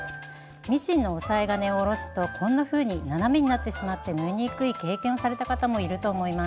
ミシンのおさえ金を下ろすとこんなふうに斜めになってしまって縫いにくい経験をされた方もいると思います。